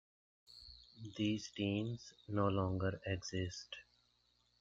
These teams no longer exist.